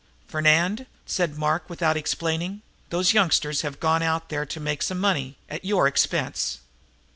"Fernand," said Mark, without explaining, "those youngsters have gone out there to make some money at your expense."